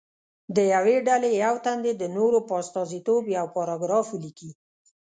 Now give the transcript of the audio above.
د یوې ډلې یو تن دې د نورو په استازیتوب یو پاراګراف ولیکي.